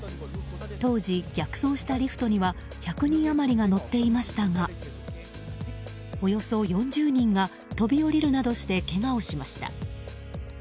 当時、逆走したリフトには１００人余りが乗っていましたがおよそ４０人が飛び降りるなどしてけがをしました。